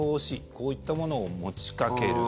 こういったものを持ちかける。